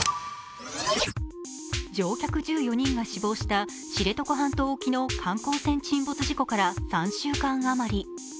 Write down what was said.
乗客１４人が死亡した知床半島沖の観光船沈没事故から３週間あまり。